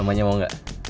namanya mau nggak